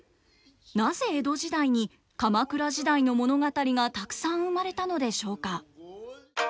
なぜ江戸時代に鎌倉時代の物語がたくさん生まれたのでしょうか。